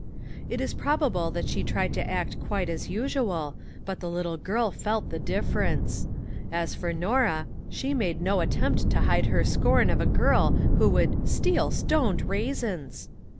It is probable that she tried to act quite as usual, but the little girl felt the difference. As for Norah, she made no attempt to hide her scorn of a girl who would " steal stoned raisins